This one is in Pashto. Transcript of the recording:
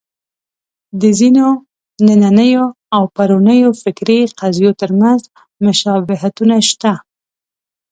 د ځینو نننیو او پرونیو فکري قضیو تر منځ مشابهتونه شته.